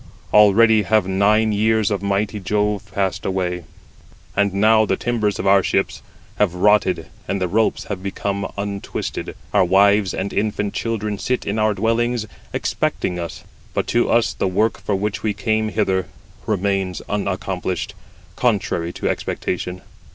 Already have nine years of mighty Jove passed away, and now the timbers of our ships have rotted, and the ropes have become untwisted. 87 Our wives and infant children sit in our dwellings expecting us; but to us the work for which we came hither remains unaccomplished, contrary to expectation.